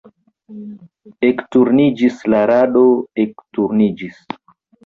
Ekturniĝis la rado, ekturniĝis!